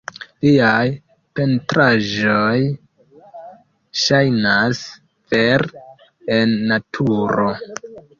Liaj pentraĵoj ŝajnas vere en naturo.